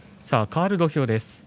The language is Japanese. かわる土俵です。